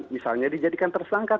misalnya dijadikan tersangka